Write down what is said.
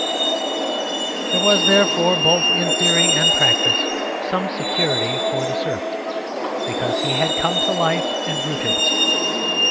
There was, therefore, both in theory and practice, some security for the serf, because he had come to life and rooted.